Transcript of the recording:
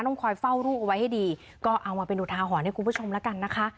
คอยเฝ้าลูกเอาไว้ให้ดีก็เอามาเป็นอุทาหรณ์ให้คุณผู้ชมแล้วกันนะคะ